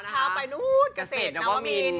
ลาดเท้าไปนู้นเกษตรน้ำวะมิน